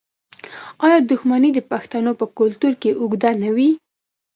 آیا دښمني د پښتنو په کلتور کې اوږده نه وي؟